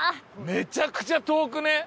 めちゃくちゃ遠くね？